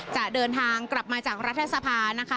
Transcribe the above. จะเดินทางกลับมาจากรัฐสภานะคะ